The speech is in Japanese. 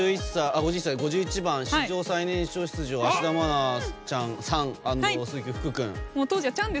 ５１番史上最年少出場芦田愛菜さんと鈴木福君。